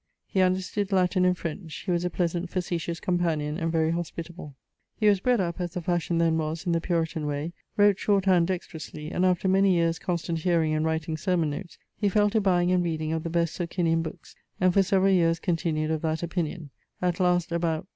He understood Latin and French. He was a pleasant facetious companion, and very hospitable. He was bred up (as the fashion then was) in the Puritan way; wrote short hand dextrously; and after many yeares constant hearing and writing sermon notes, he fell to buying and reading of the best Socinian bookes, and for severall yeares continued of that opinion. At last, about